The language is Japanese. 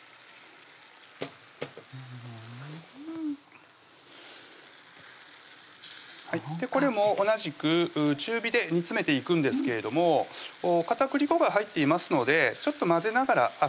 ふんこれも同じく中火で煮詰めていくんですけれども片栗粉が入っていますのでちょっと混ぜながらあっ